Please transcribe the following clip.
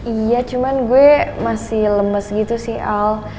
iya cuman gue masih lemes gitu sih al